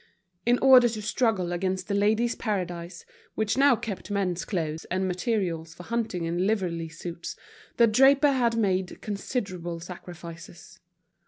In order to struggle against The Ladies' Paradise, which now kept men's cloths and materials for hunting and livery suits, the draper had made considerable sacrifices.